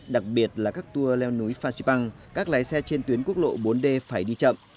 đặc biệt là các tour leo núi phan xipang các lái xe trên tuyến quốc lộ bốn d phải đi chậm